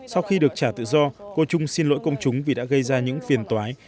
sau khi được trả tự do cô chung xin lỗi công chúng vì đã gây ra những phiền tói